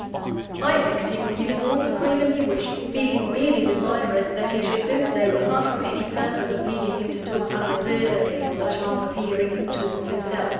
I begged he would use all the freedom he wished; feeling really desirous that he should do so, apart from any purpose of leading him to talk unreservedly on the chance of hearing him talk of himself.